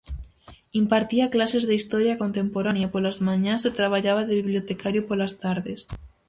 Impartía clases de historia contemporánea polas mañás e traballaba de bibliotecario polas tardes.